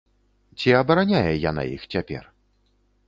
Ці абараняе яна іх цяпер?